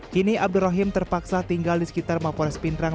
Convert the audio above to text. kini abdurrahim terpaksa tinggal di sekitar mapores pindrang